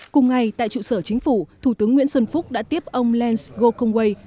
cùng ngày tại trụ sở chính phủ thủ tướng nguyễn xuân phúc đã tiếp ông lance gokongwei